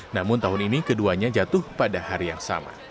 namun tahun ini keduanya jatuh pada hari yang sama